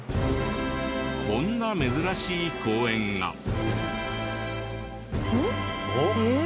こんな珍しい公園が。おっ？